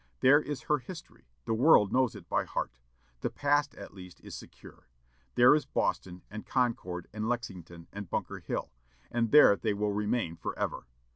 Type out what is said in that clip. There is her history: the world knows it by heart. The past, at least, is secure. There is Boston, and Concord, and Lexington, and Bunker Hill, and there they will remain forever.